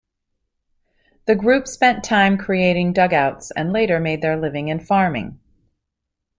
The group spent time creating dugouts and later made their living in farming.